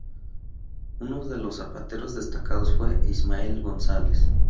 Unos de los zapateros destacados fue Ismael González.